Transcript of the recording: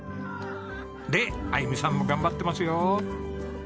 であゆみさんも頑張ってますよ。